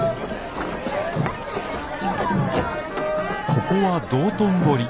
ここは道頓堀。